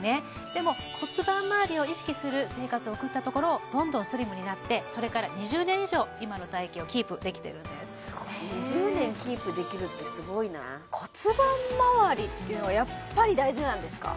でも骨盤まわりを意識する生活を送ったところどんどんスリムになってそれから２０年以上今の体形をキープできてるんですすごい２０年キープできるってすごいな骨盤まわりっていうのはやっぱり大事なんですか？